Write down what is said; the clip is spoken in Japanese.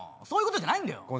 そういうことじゃないんだよ。